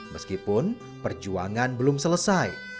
meskipun perjuangan belum selesai